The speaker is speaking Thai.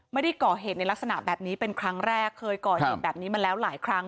ไม่ได้ก่อเหตุในลักษณะแบบนี้เป็นครั้งแรกเคยก่อเหตุแบบนี้มาแล้วหลายครั้ง